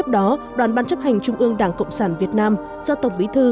đoàn ban chấp hành trung ương đảng cộng sản việt nam do tổng bí thư